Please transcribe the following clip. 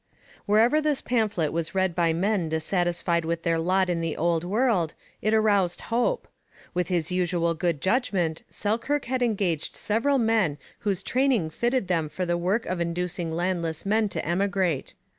Wherever this pamphlet was read by men dissatisfied with their lot in the Old World, it aroused hope. With his usual good judgment, Selkirk had engaged several men whose training fitted them for the work of inducing landless men to emigrate.